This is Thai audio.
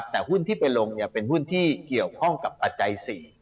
แต่หุ้นที่ไปลงเป็นหุ้นที่เกี่ยวข้องกับปัจจัย๔